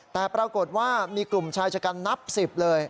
แต่ปรากฏว่ามีกลุ่มชายชะกันนับ๑๐เลย